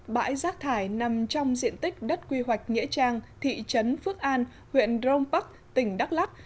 bãi rác thải nằm trong diện tích đất quy hoạch nghĩa trang thị trấn phước an huyện rongpak tỉnh đắk lắk